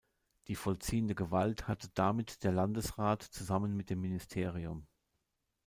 Die vollziehende Gewalt hatte damit der Landesrat zusammen mit dem Ministerium.